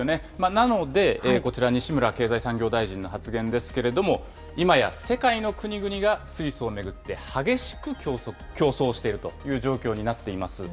なので、こちら、西村経済産業大臣の発言ですけれども、今や世界の国々が水素を巡って激しく競争してるという状況になっています。